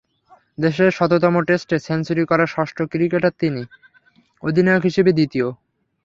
দেশের শততম টেস্টে সেঞ্চুরি করা ষষ্ঠ ক্রিকেটার তিনি, অধিনায়ক হিসেবে দ্বিতীয়।